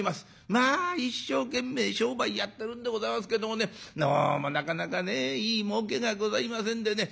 まあ一生懸命商売やってるんでございますけどもねどうもなかなかねいいもうけがございませんでね